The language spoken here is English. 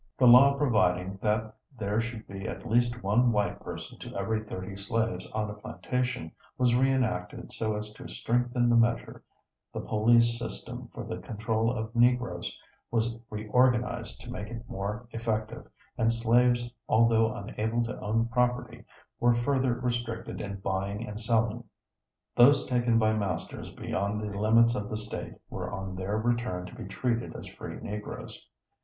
The law providing that there should be at least one white person to every thirty slaves on a plantation was re enacted so as to strengthen the measure, the police system for the control of Negroes was reorganized to make it more effective, and slaves although unable to own property were further restricted in buying and selling. Those taken by masters beyond the limits of the State were on their return to be treated as free Negroes.